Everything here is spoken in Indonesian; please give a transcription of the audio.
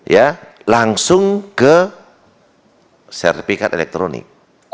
ya langsung ke sertifikat elektronik